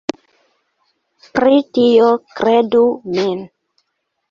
Pri tio kredu min.